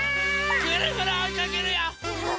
ぐるぐるおいかけるよ！